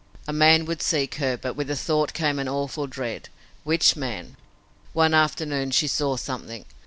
A man would seek her, but with the thought came an awful dread. Which man? One afternoon she saw something.